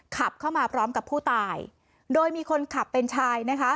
ขับเข้ามาพร้อมกับผู้ตายโดยมีคนขับเป็นชายนะคะ